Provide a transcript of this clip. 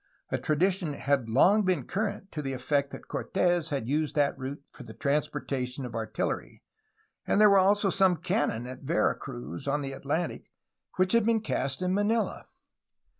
A tradition had long been current to the effect that Cortes had used that route for the transportation of artillery, and there were also some cannon at Vera Cruz, on the Atlantic, which had been cast in Manila.